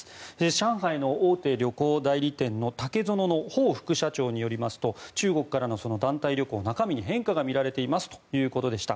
上海の大手旅行代理店の竹園のホウ副社長によりますと中国からの団体旅行中身に変化が見られていますということでした。